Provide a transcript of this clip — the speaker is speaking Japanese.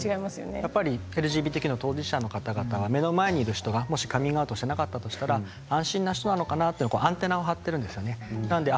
やっぱりＬＧＢＴＱ当事者の方々は目の前にいる人がまだカミングアウトしていなかったら安心していい人なのかなと、まだアンテナを張っているんです。